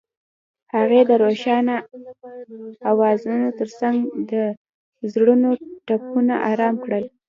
هغې د روښانه اوازونو ترڅنګ د زړونو ټپونه آرام کړل.